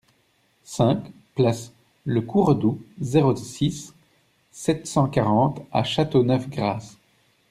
cinq place Le Courredou, zéro six, sept cent quarante à Châteauneuf-Grasse